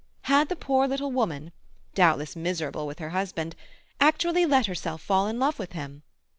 Had the poor little woman—doubtless miserable with her husband—actually let herself fall in love with him?